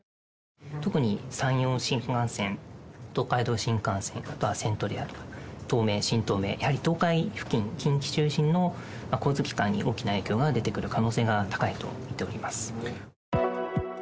特に山陽新幹線、東海道新幹線、あとはセントレア、東名、新東名、やはり東海付近、近畿中心の交通機関に大きな影響が出てくる可能性が高いと見ております。